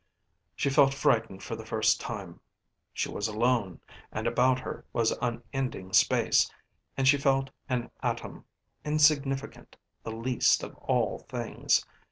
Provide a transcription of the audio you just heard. She felt frightened for the first time; she was alone and about her was unending space, and she felt an atom, insignificant, the least of all things.